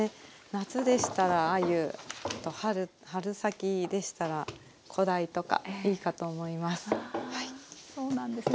夏でしたらあゆ春先でしたらこだいとかいいかと思います。